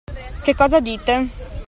Che cosa dite!